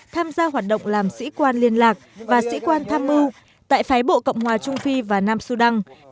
tham gia hoạt động làm sĩ quan liên lạc và sĩ quan tham mưu tại phái bộ cộng hòa trung phi và nam sudan